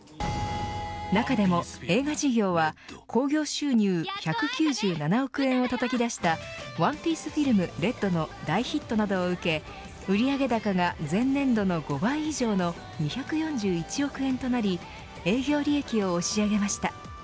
中でも、映画事業は興行収入１９７億円をたたき出したＯＮＥＰＩＥＣＥＦＩＬＭＲＥＤの大ヒットなどを受け売上高が前年度の５倍以上の２４１億円となり営業利益を押し上げました。